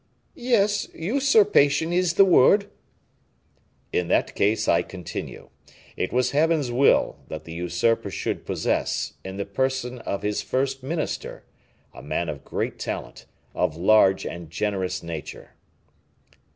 "Yes, usurpation is the word." "In that case, I continue. It was Heaven's will that the usurper should possess, in the person of his first minister, a man of great talent, of large and generous nature."